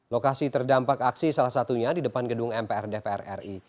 lokasi terdampak aksi salah satunya di depan gedung mpr dpr ri